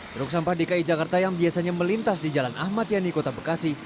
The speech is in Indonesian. truk sampah dki jakarta yang biasanya melintas di jalan ahmad yani kota bekasi